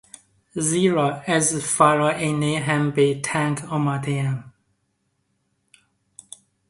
زیرا از فراعنه هم به تنگ آمده ا م